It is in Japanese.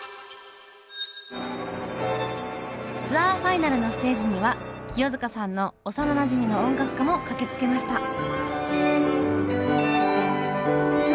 ツアーファイナルのステージには清塚さんの幼なじみの音楽家も駆けつけました。